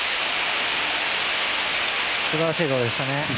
素晴らしいゴールでしたね。